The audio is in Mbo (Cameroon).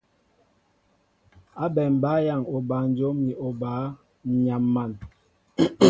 Ábɛm bǎyaŋ obanjóm ni obǎ, ǹ yam̀an.